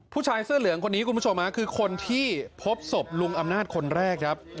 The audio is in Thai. ผู้ชายเสื้อเหลืองคนนี้คุณผู้ชมคือคนที่พบศพลุงอำนาจคนแรกครับ